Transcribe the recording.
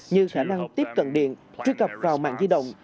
như khả năng tiếp cận điện truy cập vào mạng di động